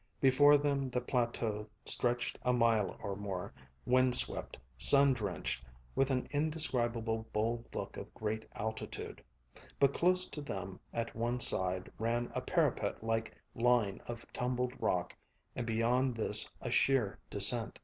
Before them the plateau stretched a mile or more, wind swept, sun drenched, with an indescribable bold look of great altitude; but close to them at one side ran a parapet like line of tumbled rock and beyond this a sheer descent.